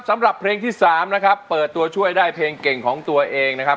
สำหรับเพลงที่๓นะครับเปิดตัวช่วยได้เพลงเก่งของตัวเองนะครับ